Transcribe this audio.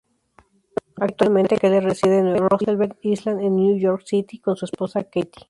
Actualmente Keller reside en Roosevelt Island en New York City con su esposa, Kathy.